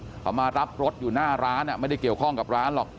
เขามารับรถอยู่หน้าร้านไม่ได้เกี่ยวข้องกับร้านหรอก